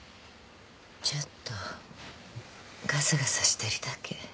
ちょっとがさがさしてるだけ。